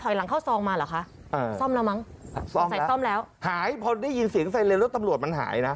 ใช้กล้อมแล้วหายพอได้ยินเสียงไซเรนแล้วตำรวจมันหายนะ